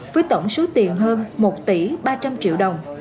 với tổng số tiền hơn một tỷ ba trăm linh triệu đồng